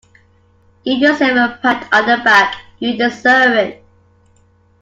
Give yourself a pat on the back, you deserve it.